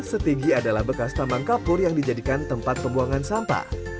setigi adalah bekas taman kapur yang dijadikan tempat pembuangan sampah